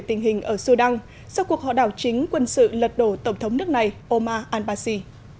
tình hình ở sudan sau cuộc họ đảo chính quân sự lật đổ tổng thống nước này oma al basi